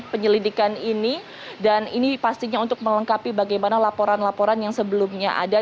penyelidikan ini dan ini pastinya untuk melengkapi bagaimana laporan laporan yang sebelumnya ada